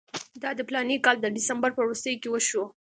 دا د فلاني کال د ډسمبر په وروستیو کې وشو.